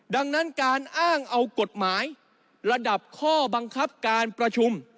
ดังนั้นการอ้างเอากฎหมายระดับข้อบังคับการประชุม